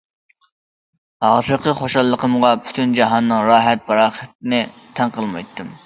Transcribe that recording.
ھازىرقى خۇشاللىقىمغا پۈتۈن جاھاننىڭ راھەت-پاراغىتىنى تەڭ قىلمايتتىم.